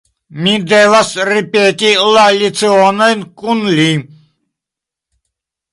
Mi devas ripeti la lecionojn kun li.